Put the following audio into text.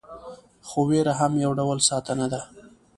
خو ویره هم یو ډول ساتنه ده.